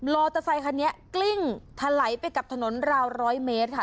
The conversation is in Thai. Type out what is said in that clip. อเตอร์ไซคันนี้กลิ้งทะไหลไปกับถนนราวร้อยเมตรค่ะ